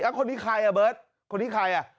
คนนี้ใครอ่ะเบิร์ตคนนี้ใครอ่ะ